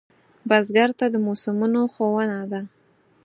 بزګر ته د موسمونو ښوونه ده